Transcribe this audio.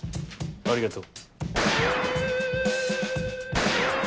ありがとう。